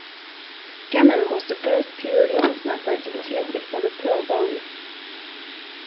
Gammon was the first pure long-snapper to be selected for the Pro Bowl.